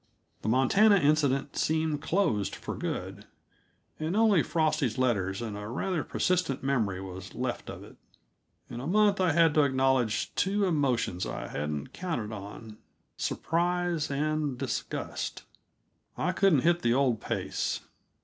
The Montana incident seemed closed for good, and only Frosty's letters and a rather persistent memory was left of it. In a month I had to acknowledge two emotions I hadn't counted on: surprise and disgust. I couldn't hit the old pace.